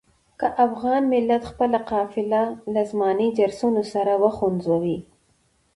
که افغان ملت خپله قافله له زماني جرسونو سره وخوځوي.